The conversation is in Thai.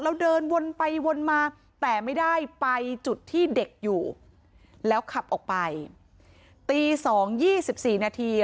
แล้วเดินวนไปวนมาแต่ไม่ได้ไปจุดที่เด็กอยู่แล้วขับออกไปตีสองยี่สิบสี่นาที